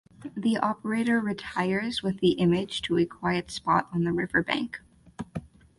The operator retires with the image to a quiet spot on the riverbank.